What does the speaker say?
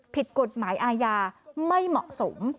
ผิดกฎหมายอาญาไม่เหมาะสม